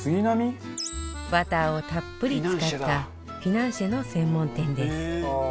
バターをたっぷり使ったフィナンシェの専門店です